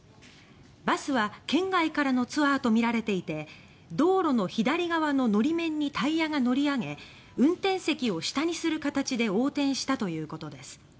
バスは県外からのツアーとみられていて道路の左側ののり面にタイヤが乗り上げ運転席を下にする形で横転したということです。